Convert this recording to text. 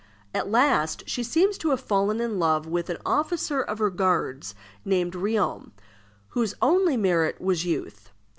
At last she seems to have fallen in love with an officer of her guards, named Riom, whose only merit was youth.